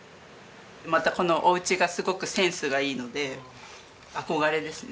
またこのおうちがすごくセンスがいいので憧れですね。